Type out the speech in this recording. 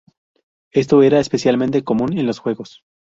Esto era especialmente común en los juegos.